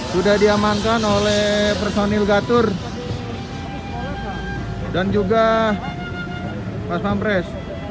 sudah diamankan oleh personil gatur dan juga pasman pres